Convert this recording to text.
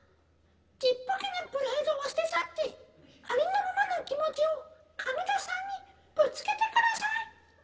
ちっぽけなプライドは捨て去ってありのままの気持ちを彼女さんにぶつけてください！